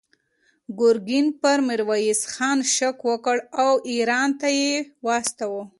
ګورګین پر میرویس خان شک وکړ او ایران ته یې واستاوه.